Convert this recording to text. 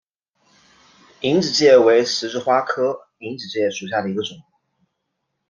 隐子芥为十字花科隐子芥属下的一个种。